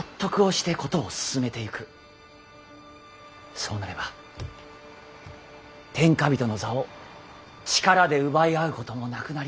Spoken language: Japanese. そうなれば天下人の座を力で奪い合うこともなくなりましょう。